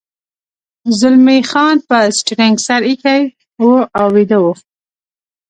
زلمی خان پر سټرینګ سر اېښی و او ویده و.